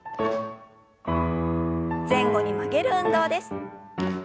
前後に曲げる運動です。